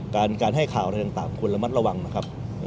การให้ข่าวอะไรต่างควรระมัดระวังนะครับ